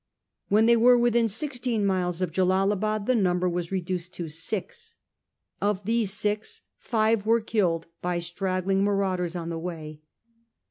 When they were within sixteen miles of Jella labad the number was reduced to six. Of these six, five were killed by straggling marauders on the way.